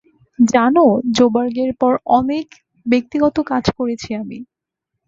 জানো, জোবার্গের পর অনেক ব্যক্তিগত কাজ করেছি আমি।